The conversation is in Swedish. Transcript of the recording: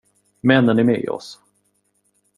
Männen är med oss.